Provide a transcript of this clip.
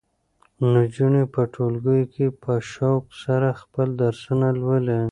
نجونې په ټولګیو کې په شوق سره خپل درسونه لولي.